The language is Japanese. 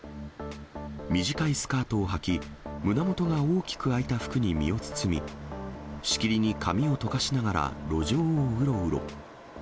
短いスカートをはき、胸元が大きく開いた服に身を包み、しきりに髪をとかしながら、路上をうろうろ。